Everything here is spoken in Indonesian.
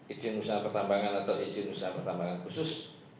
izin usaha pertambangan atau izin usaha pertambangan khusus